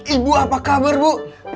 ibu apa kabar bu